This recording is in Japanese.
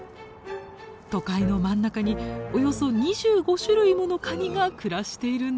都会の真ん中におよそ２５種類ものカニが暮らしているんです。